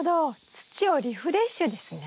土をリフレッシュですね。